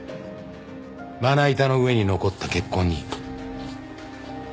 まな板の上に残った血痕に。